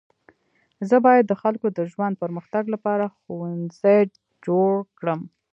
زه باید د خلکو د ژوند د پرمختګ لپاره ښوونځی جوړه کړم.